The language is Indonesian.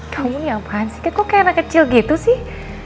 kamu nyapaan sih kak kok kayak anak kecil gitu sih